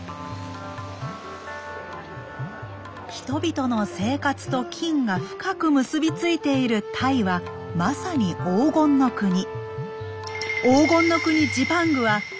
人々の生活と金が深く結び付いているタイはまさに「黄金の国」。